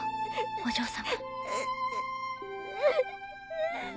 お嬢様。